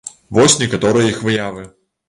Вось некаторыя іх выявы.